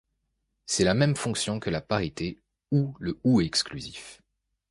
C'est la même fonction que la parité ou le ou exclusif.